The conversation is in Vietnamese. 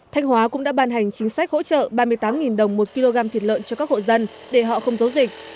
thanh hóa cũng đã ban hành chính sách hỗ trợ ba mươi tám đồng một kg thịt lợn cho các hộ dân để họ không giấu dịch